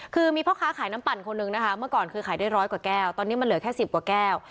คือมีพ่อค้าขายน้ำปั่นคนนึงนะคะเมื่อก่อนคือขายได้ร้อยกว่าแก้วตอนนี้มันเหลือแค่๑๐กว่าแก้ว